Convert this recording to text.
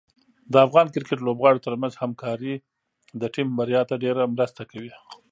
د افغان کرکټ لوبغاړو ترمنځ همکاري د ټیم بریا ته ډېره مرسته کوي.